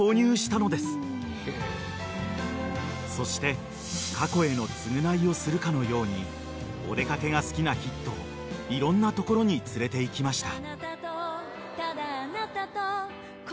［そして過去への償いをするかのようにお出掛けが好きなヒットをいろんな所に連れていきました］